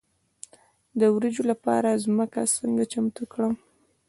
د وریجو لپاره ځمکه څنګه چمتو کړم؟